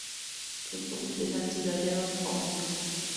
Sus fósiles han sido hallados Ohio.